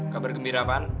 kabar gembira apaan